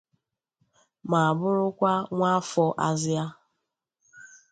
ma bụrụkwa nwaafọ Azia